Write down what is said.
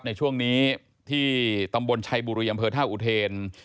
ในช่วงนี้ที่ตำบลชัยบุรีอำเภอท่าอุเทน